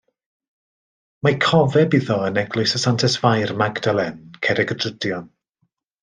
Mae cofeb iddo yn Eglwys y Santes Fair Magdalen, Cerrigydrudion.